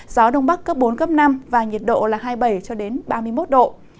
gió đông bắc cấp bốn năm và nhiệt độ là hai mươi bảy ba mươi một độ